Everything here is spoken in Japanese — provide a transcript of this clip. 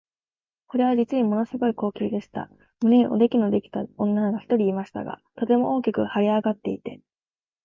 これは実にもの凄い光景でした。胸におできのできた女が一人いましたが、とても大きく脹れ上っていて、